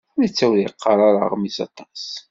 Netta ur yeqqar ara aɣmis aṭas.